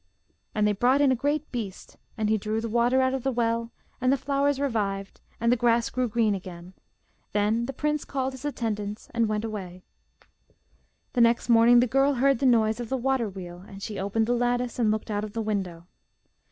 And they brought in a great beast, and he drew the water out of the well, and the flowers revived, and the grass grew green again. Then the prince called his attendants and went away. The next morning the girl heard the noise of the waterwheel, and she opened the lattice and looked out of the window.